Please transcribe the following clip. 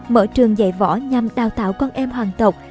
mở trường dạy võ nhằm đào tạo con em hoàng tộc